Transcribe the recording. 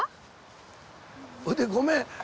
ほいでごめん。